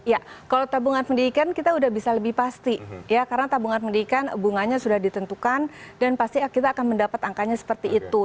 ya kalau tabungan pendidikan kita sudah bisa lebih pasti ya karena tabungan pendidikan bunganya sudah ditentukan dan pasti kita akan mendapat angkanya seperti itu